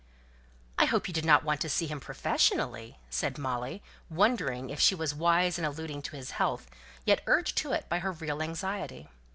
"I hope you did not want to see him professionally?" said Molly, wondering if she was wise in alluding to his health, yet urged to it by her real anxiety.